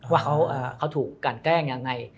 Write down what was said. ว่าเขาถูกกันแกล้งยังไง